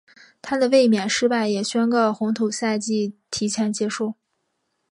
她的卫冕失败也宣告红土赛季提前结束。